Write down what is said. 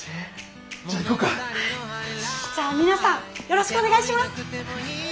じゃあ皆さんよろしくお願いします。